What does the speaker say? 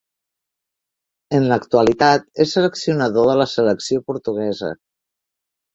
En l'actualitat és seleccionador de la selecció portuguesa.